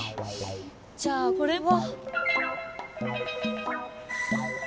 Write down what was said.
じゃあこれは。